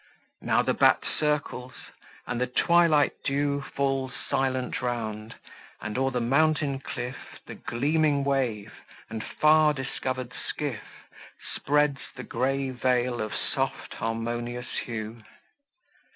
Now the bat circles, and the twilight dew Falls silent round, and, o'er the mountain cliff, The gleaming wave, and far discover'd skiff, Spreads the grey veil of soft, harmonious hue.